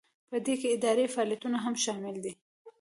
په دې کې اداري فعالیتونه هم شامل دي.